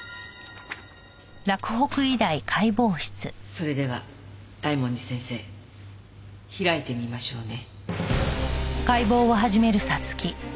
それでは大文字先生開いてみましょうね。